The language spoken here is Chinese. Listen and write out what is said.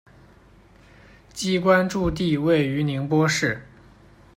机关驻地位于宁波市。